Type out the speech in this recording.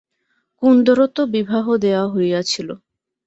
কুন্দরও তো বিবাহ দেওয়া হইয়াছিল।